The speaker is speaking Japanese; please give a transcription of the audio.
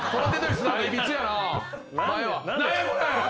これ。